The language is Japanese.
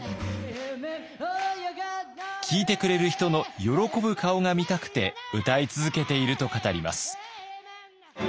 聴いてくれる人の喜ぶ顔が見たくて歌い続けていると語ります。